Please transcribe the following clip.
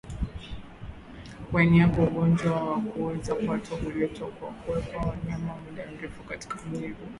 Kuenea kwa ugonjwa wa kuoza kwato huletwa kwa kuweka wanyama muda mrefu katika unyevu